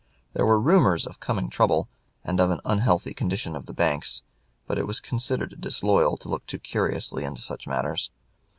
There were rumors of coming trouble, and of an unhealthy condition of the banks; but it was considered disloyal to look too curiously into such matters.